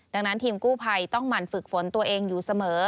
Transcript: ดังนั้นทีมกู้ภัยต้องหมั่นฝึกฝนตัวเองอยู่เสมอ